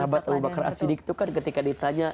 sahabat lembaker asyidik itu kan ketika ditanya